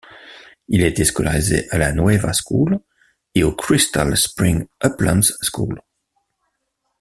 Il a été scolarisé à la Nueva School et au Crystal Springs Uplands School.